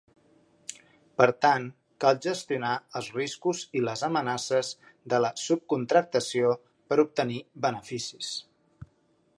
Per tant, cal gestionar els riscos i les amenaces de la subcontractació per obtenir beneficis.